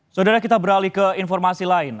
saudara kita beralih ke informasi lain